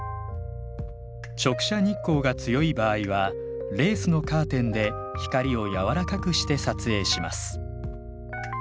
直射日光が強い場合はレースのカーテンで光を柔らかくして撮影します